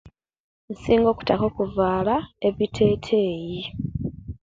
Insinga okutaka okuvaala ebitetei